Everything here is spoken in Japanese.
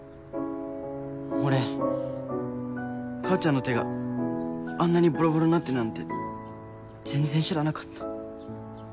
俺母ちゃんの手があんなにボロボロになってるなんて全然知らなかった。